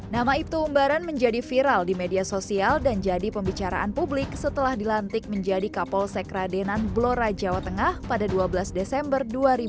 nama ibtu umbaran menjadi viral di media sosial dan jadi pembicaraan publik setelah dilantik menjadi kapolsek radenan blora jawa tengah pada dua belas desember dua ribu dua puluh